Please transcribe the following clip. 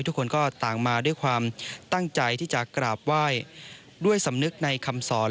ทุกคนก็ต่างมาด้วยความตั้งใจที่จะกราบไหว้ด้วยสำนึกในคำสอน